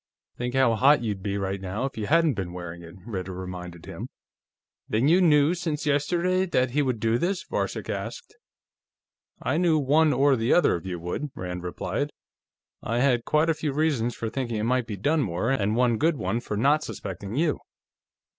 "Think how hot you'd be, right now, if you hadn't been wearing it," Ritter reminded him. "Then you knew, since yesterday, that he would do this?" Varcek asked. "I knew one or the other of you would," Rand replied. "I had quite a few reasons for thinking it might be Dunmore, and one good one for not suspecting you."